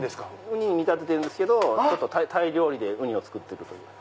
ウニに見立ててるんですけどタイ料理でウニを作ってる。